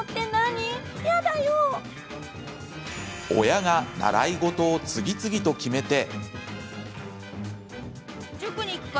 親が習い事を次々と決めて。